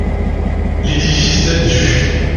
L'édifice date du -.